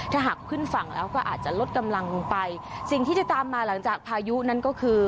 ถ้าหากขึ้นฝั่งแล้วก็อาจจะลดกำลังลงไปสิ่งที่จะตามมาหลังจากพายุนั้นก็คือ